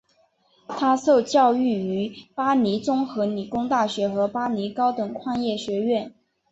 他受教育于巴黎综合理工大学和巴黎高等矿业学院。